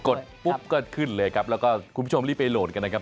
ดปุ๊บก็ขึ้นเลยครับแล้วก็คุณผู้ชมรีบไปโหลดกันนะครับ